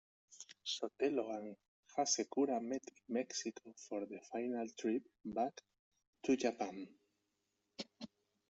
Sotelo and Hasekura met in Mexico for the final trip back to Japan.